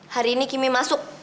hari ini kimi masuk